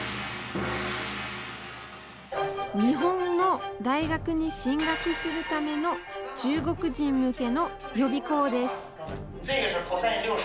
日本の大学に進学するための中国人向けの予備校です。